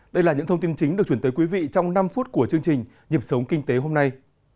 đây là những thông tin chính được chuyển tới quý vị trong năm phút của chương trình nhịp sống kinh tế hôm nay